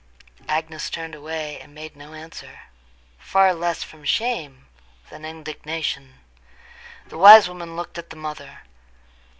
Agnes turned away and made no answer—far less from shame than indignation. The wise woman looked at the mother.